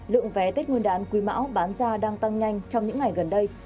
lượng vé tết nguyên đán quý mão bán ra đang tăng nhanh trong những ngày gần đây